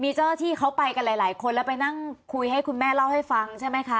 มีเจ้าหน้าที่เขาไปกันหลายคนแล้วไปนั่งคุยให้คุณแม่เล่าให้ฟังใช่ไหมคะ